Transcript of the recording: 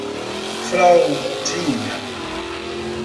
Fraldinha